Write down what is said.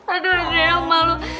aduh adriana malu